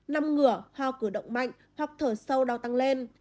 nằm ngửa ho cử động mạnh hoặc thở sâu đau tăng lên